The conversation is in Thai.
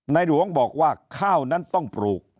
หลวงบอกว่าข้าวนั้นต้องปลูก